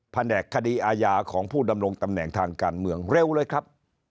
แผนกคดีอาญาของผู้ดำรงตำแหน่งทางการเมืองเร็วเลยครับ